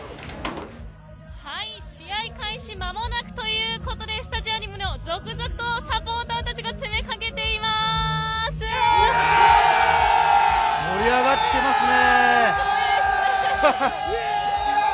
試合開始間もなくということでスタジアムにも続々とサポーターたちが盛り上がってますね。